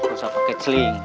gak usah pakai celing